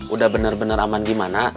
udah bener bener aman gimana